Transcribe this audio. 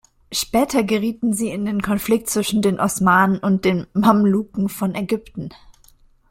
Später gerieten sie in den Konflikt zwischen den Osmanen und den Mamluken von Ägypten.